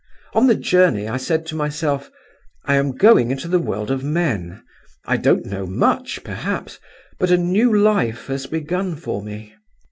On the journey I said to myself, 'I am going into the world of men. I don't know much, perhaps, but a new life has begun for me.